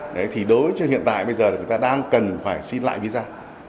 đấy thì đối với hiện tại bây giờ là chúng ta đang cần phải xin lại visa